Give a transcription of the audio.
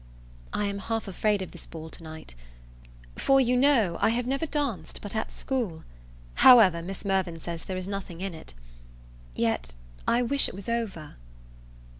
I am half afraid of this ball to night; for, you know, I have never danced but at school: however, Miss Mirvan says there is nothing in it. Yet, I wish it was over.